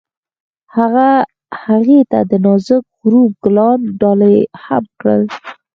هغه هغې ته د نازک غروب ګلان ډالۍ هم کړل.